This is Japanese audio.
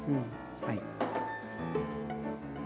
はい。